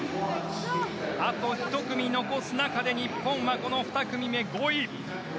あと１組残す中で日本は２組目５位。